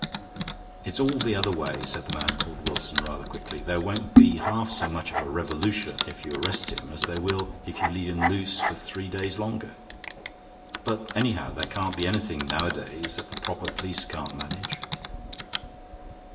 "It's all the other way," said the man called Wilson, rather quickly. "There won't be half so much of a revolution if you arrest him as there will if you leave him loose for three days longer. But, anyhow, there can't be anything nowadays that the proper police can't manage."